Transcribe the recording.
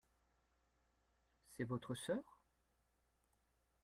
C’est votre sœur ?